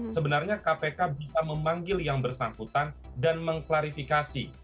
sebenarnya kpk bisa memanggil yang bersangkutan dan mengklarifikasi